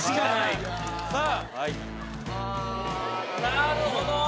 なるほど！